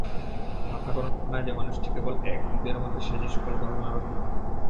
মাথা গণনায় যে মানুষটি কেবল এক, হৃদয়ের মধ্যে সে যে সকল গণনার অতীত।